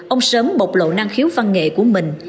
ông sớm bộc lộ năng khiếu văn nghệ của mình